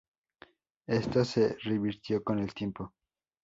Esto se revirtió con el tiempo.